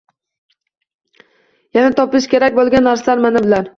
Yana topish kerak bo’lgan narsalar mana bular: